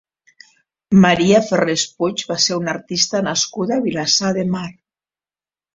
Maria Ferrés Puig va ser una artista nascuda a Vilassar de Mar.